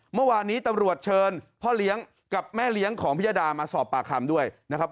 เมื่อวานนี้ตำรวจเชิญพ่อเลี้ยงกับแม่เลี้ยงของพิยดามาสอบปากคำด้วยนะครับ